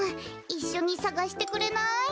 いっしょにさがしてくれない？